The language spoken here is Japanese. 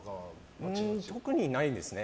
特にないですね。